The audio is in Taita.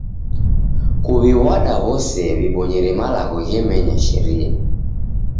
Kuw'iw'ada w'ose w'ibonyere malagho ghemenya sharia.